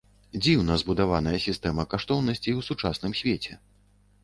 Дзіўна збудаваная сістэма каштоўнасцей у сучасным свеце.